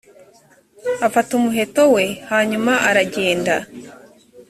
afata umuheto we hanyuma aragenda